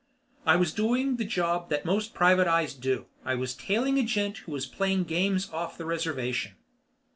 "I was doing the job that most private eyes do. I was tailing a gent who was playing games off the reservation."